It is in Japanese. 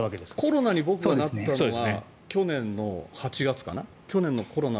コロナに僕がなったのは去年の８月かな。